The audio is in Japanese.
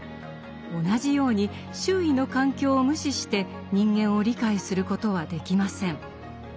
同じように周囲の環境を無視して人間を理解することはできません。